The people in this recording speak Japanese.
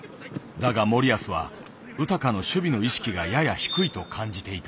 だが森保はウタカの守備の意識がやや低いと感じていた。